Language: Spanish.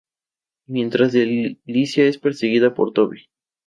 Mientras Delicia es perseguida Por Toby.